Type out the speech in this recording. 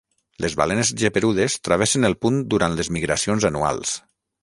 Les balenes geperudes travessen el punt durant les migracions anuals.